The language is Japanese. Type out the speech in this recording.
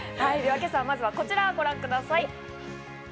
今朝まずはこちらからご覧ください。